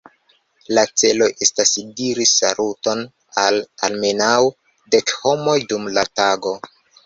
La celo estas diri saluton al almenaŭ dek homoj dum la tago.